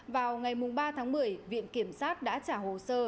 vào ngày ba tháng một mươi viện kiểm sát đã trả hồ sơ